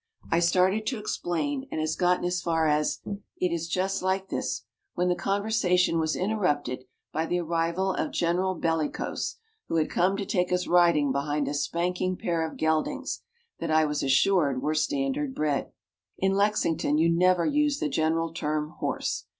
I started to explain and had gotten as far as, "It is just like this," when the conversation was interrupted by the arrival of General Bellicose, who had come to take us riding behind a spanking pair of geldings, that I was assured were standard bred. In Lexington you never use the general term "horse."